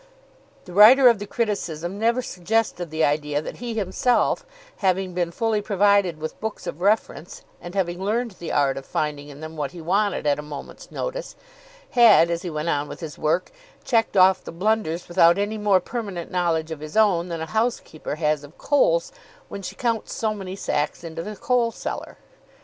The writer of the criticism never suggested the idea that he himself, having been fully provided with books of reference, and having learned the art of finding in them what he wanted at a moment's notice, had, as he went on with his work, checked off the blunders without any more permanent knowledge of his own than a housekeeper has of coals when she counts so many sacks into the coal cellar.